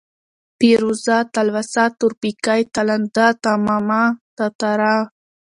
پېروزه ، تلوسه ، تورپيکۍ ، تالنده ، تمامه ، تاتره ،